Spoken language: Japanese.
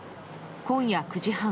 今夜９時半